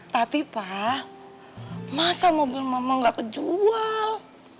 tapi pak masa mobil mama nggak kejual